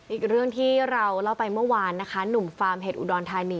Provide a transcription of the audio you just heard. อีกเรื่องที่เราเล่าไปเมื่อวานนะคะหนุ่มฟาร์มเห็ดอุดรธานี